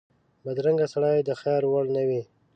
بدرنګه سړی د خیر وړ نه وي